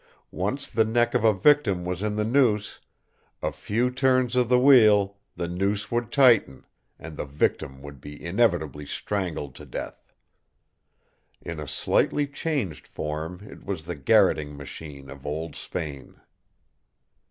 Once the neck of a victim was in the noose, a few turns of the wheel, the noose would tighten, and the victim would be inevitably strangled to death. In a slightly changed form it was the garroting machine of old Spain.